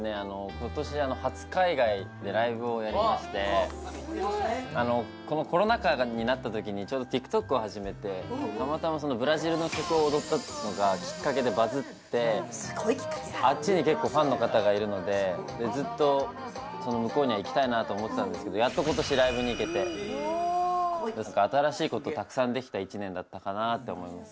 今年初海外へ行ってライブをやりましてこのコロナ渦になったときにちょうどＴｉｋＴｏｋを始めてたまたまブラジルの曲を踊ったのがきっかけでバズってあっちに結構ファンの方がいるのでずっと向こうには行きたいなと思ってたんですけどやっと今年ライブに行けてですから新しいことをたくさんできた１年だったかなと思います